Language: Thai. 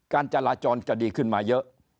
การจราจรจะดีขึ้นมาเยอะ